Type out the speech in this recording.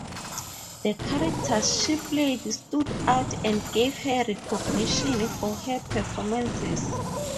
The characters she played stood out and gave her recognition for her performances.